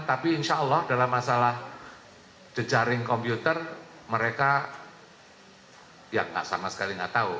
tapi insyaallah dalam masalah jejaring komputer mereka ya sama sekali gak tahu